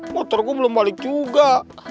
motor gue belum balik juga